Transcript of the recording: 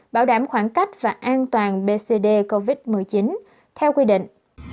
bảo đảm khoảng cách và an toàn bcd covid một mươi chín theo quy định